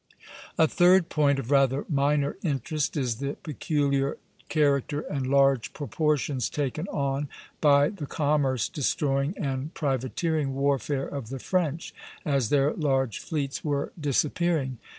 A third point of rather minor interest is the peculiar character and large proportions taken on by the commerce destroying and privateering warfare of the French, as their large fleets were disappearing.